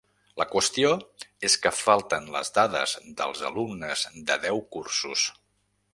La qüestió és que falten les dades dels alumnes de deu cursos.